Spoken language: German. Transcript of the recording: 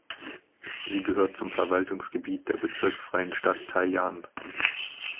Sie gehört zum Verwaltungsgebiet der bezirksfreien Stadt Tai’an.